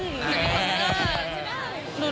โอเคอืมใช่ป่าล